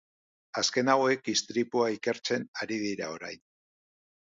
Azken hauek istripua ikertzen ari dira orain.